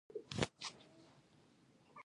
زۀ د ژوند درې واړه لارې پۀ اعتدال کښې ساتم -